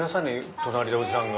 隣でおじさんが。